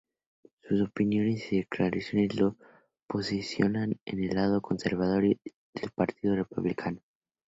Sus opiniones y declaraciones lo posicionan en el lado conservador del Partido Republicano.